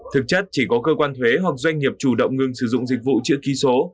thực chất chỉ có cơ quan thuế hoặc doanh nghiệp chủ động ngừng sử dụng dịch vụ chữ ký số